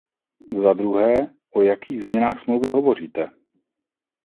Zadruhé, o jakých změnách Smlouvy hovoříte?